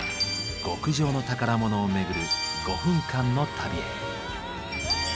極上の宝物をめぐる５分間の旅へ。